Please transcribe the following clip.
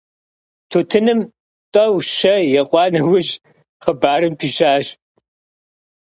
Тутыным тӀэу-щэ екъуа нэужь хъыбарым пищащ.